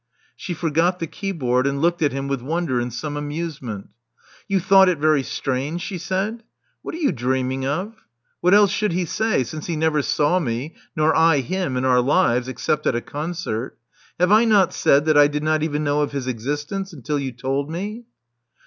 Slie forgot the keyboard, and looked at him with wonder and some amusement. You thought it very strange!" she said. What are you dreaming of? What else should he say, since he never saw me, nor I liim, in our lives — except at a concert? Have I not said that I did not even know of his existence until you told me?"